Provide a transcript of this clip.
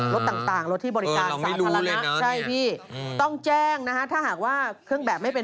รถต่างรถที่บริการสาธารณะใช่พี่ต้องแจ้งนะฮะถ้าหากว่าเครื่องแบบไม่เป็น